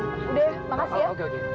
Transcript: udah makasih ya